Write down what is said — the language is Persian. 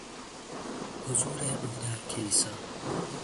حضور او در کلیسا